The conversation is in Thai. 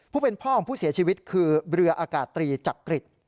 เป็นพ่อของผู้เสียชีวิตคือเรืออากาศตรีจักริจ